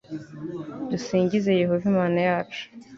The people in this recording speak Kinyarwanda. Dusingize Yehova Imana yacu